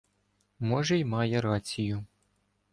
Може, й має рацію.